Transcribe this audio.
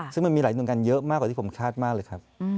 ซึ่งมันมีหลายหน่วยงานเยอะมากกว่าที่ผมคาดมากเลยครับ